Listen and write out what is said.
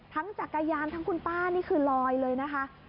จักรยานทั้งคุณป้านี่คือลอยเลยนะคะ